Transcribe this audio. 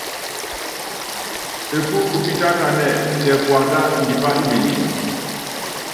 Epú upítákanɛ́, tɛ puanda ndipá imenyen.